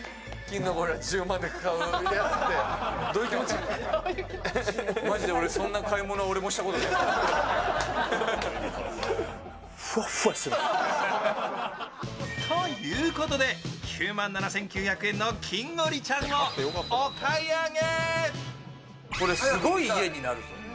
かっこいい。ということで、９万７９００円の金ゴリちゃんをお買い上げ。